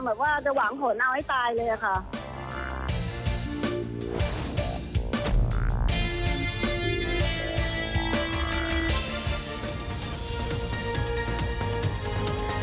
แบบว่าจะหวังผลเอาให้ตายเลยอะค่ะ